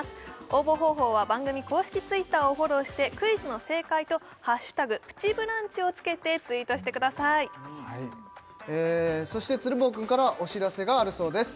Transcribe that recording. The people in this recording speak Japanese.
応募方法は番組公式Ｔｗｉｔｔｅｒをフォローしてクイズの正解と「＃プチブランチ」をつけてツイートしてくださいそして鶴房君からお知らせがあるそうです